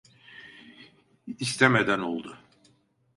İstemeden oldu.